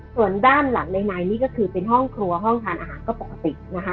ส่วนด้านหลังในนี่ก็คือเป็นห้องครัวห้องทานอาหารก็ปกตินะคะ